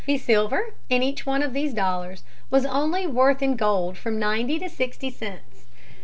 The silver in each one of these dollars was only worth in gold from ninety to sixty cents.